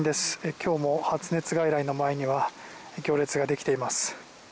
今日も発熱外来の前には行列ができています。